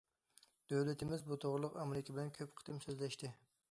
دۆلىتىمىز بۇ توغرىلىق ئامېرىكا بىلەن كۆپ قېتىم سۆزلەشتى.